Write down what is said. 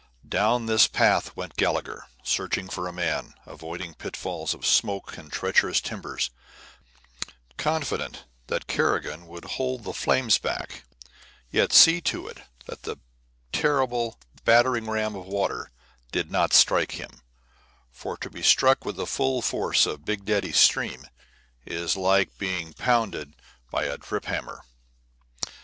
Down this path went Gallagher, searching for a man, avoiding pitfalls of smoke and treacherous timbers, confident that Kerrigan would hold the flames back, yet see to it that the terrible battering ram of water did not strike him for to be struck with the full force of Big Daddy's stream is like being pounded by a trip hammer.